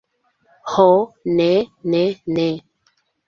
Ho, ne, ne, ne!